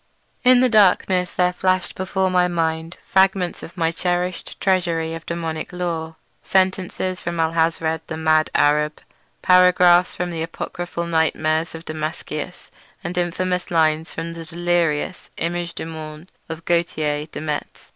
In the darkness there flashed before my mind fragments of my cherished treasury of daemoniac lore; sentences from Alhazred the mad Arab, paragraphs from the apocryphal nightmares of Damascius, and infamous lines from the delirious Image du Monde of Gauthier de Metz.